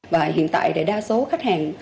và hiện tại đại đa số khách hàng